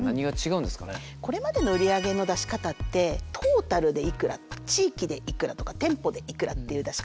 これまでの売り上げの出し方ってトータルでいくら地域でいくらとか店舗でいくらっていう出し方。